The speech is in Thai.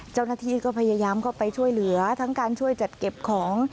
เจ้าหน้าที่ก็พยายามเข้าไปช่วยเหลือทั้งการช่วยจัดเก็บของ